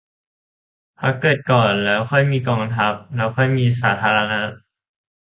พรรคเกิดก่อน แล้วค่อยมีกองทัพ แล้วค่อยมีสาธารณรัฐ